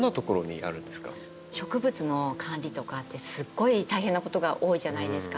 植物の管理とかってすごい大変なことが多いじゃないですか。